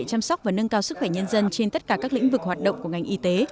chăm sóc và nâng cao sức khỏe nhân dân trên tất cả các lĩnh vực hoạt động của ngành y tế